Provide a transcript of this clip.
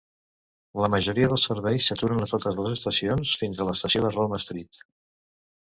La majoria dels serveis s'aturen a totes les estacions fins a l'estació de Roma Street.